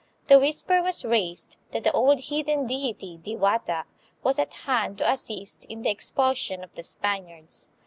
The whisper was raised that the old heathen deity, Diwata, was at hand to assist in the expulsion of the Spaniards.